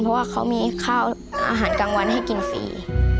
เพราะว่าเขามีข้าวอาหารกลางวันให้กินฟรี